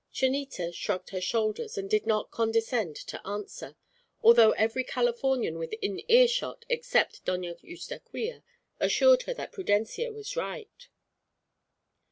Chonita shrugged her shoulders, and did not condescend to answer, although every Californian within earshot, except Doña Eustaquia, assured her that Prudencia was right.